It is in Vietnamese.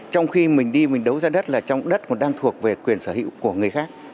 trong khi mình đi mình đấu giá đất là trong đất còn đang thuộc về quyền sở hữu của người khác